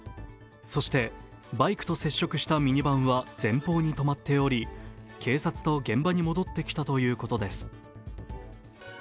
そして、バイクと接触したミニバンは前方に止まっており、警察と現場に戻ってきたということです。